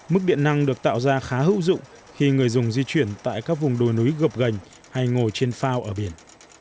mức điện năng được tạo ra khá hữu dụng khi người dùng di chuyển tại các vùng đồi núi gập gành hay ngồi trên phao ở biển